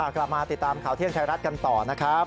กลับมาติดตามข่าวเที่ยงไทยรัฐกันต่อนะครับ